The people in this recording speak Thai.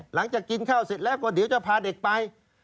หลังจากกินข้าวเสร็จแล้วก็เดี๋ยวจะพาเด็กไป